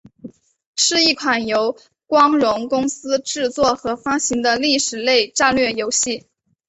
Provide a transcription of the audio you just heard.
是一款由光荣公司制作和发行的历史类战略游戏。